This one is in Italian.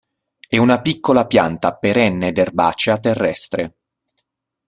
È una piccola pianta perenne ed erbacea terrestre.